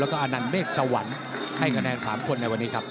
แล้วก็อนันเมฆสวรรค์ให้คะแนน๓คนในวันนี้ครับ